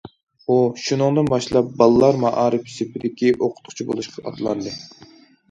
ئۇ، شۇنىڭدىن باشلاپ بالىلار مائارىپى سېپىدىكى ئوقۇتقۇچى بولۇشقا ئاتلاندى.